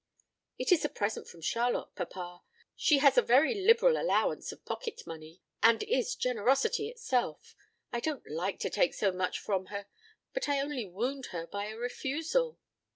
"It is a present from Charlotte, papa. She has a very liberal allowance of pocket money, and is generosity itself. I don't like to take so much from her, but I only wound her by a refusal."